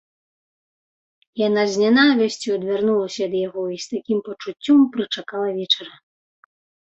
Яна з нянавісцю адвярнулася ад яго і з такім пачуццем прычакала вечара.